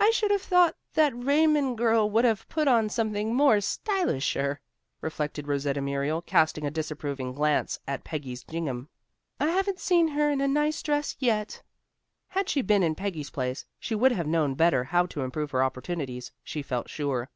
"I should have thought that Raymond girl would have put on something more stylisher," reflected Rosetta Muriel, casting a disapproving glance at Peggy's gingham. "I haven't seen her in a nice dress yet." Had she been in Peggy's place, she would have known better how to improve her opportunities, she felt sure.